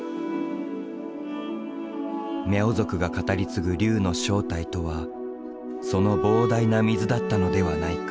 ミャオ族が語り継ぐ龍の正体とはその膨大な水だったのではないか。